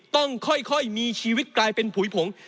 ต้องค่อยมีชีวิตกลายเป็นผุยผง